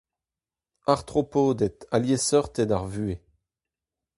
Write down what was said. Artropoded ha liesseurted ar vuhez.